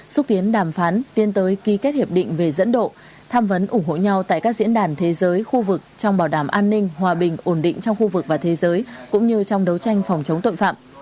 xúc tiến đàm phán tiến tới ký kết hiệp định về dẫn độ tham vấn ủng hộ nhau tại các diễn đàn thế giới khu vực trong bảo đảm an ninh hòa bình ổn định trong khu vực và thế giới cũng như trong đấu tranh phòng chống tội phạm